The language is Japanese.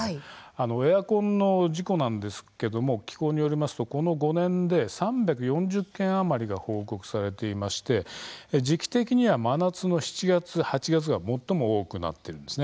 エアコンの事故なんですが機構によりますと、この５年で３４０件余りが報告されていまして時期的には真夏の７月８月が最も多くなっているんです。